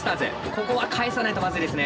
ここは返さないとまずいですね。